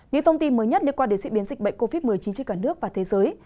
những thông tin mới nhất liên quan đến diễn biến dịch bệnh covid một mươi chín trên cả nước và thế giới